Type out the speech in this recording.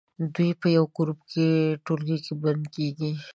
دوی په یوه ګروپ کې ټولګی بندي کیږي.